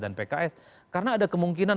dan pks karena ada kemungkinan